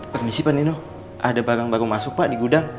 permisi pak nino ada barang baru masuk pak di gudang